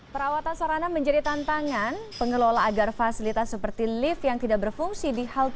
perawatan sarana menjadi tantangan pengelola agar fasilitas seperti lift yang tidak berfungsi di halte